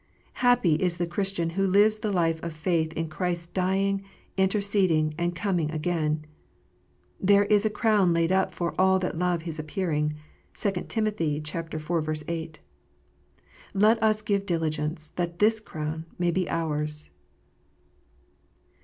Happy is the Christian who lives the life of faith in Christ s dying, interceding, and coming again ! There is a crown laid up for " all that love His appearing." (2 Tim. iv. 8.) Let us give diligence that this crown may be ours